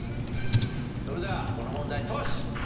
それではこの問題トシ。